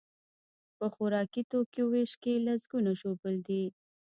په خوراکي توکیو ویش کې لسکونه ژوبل دي.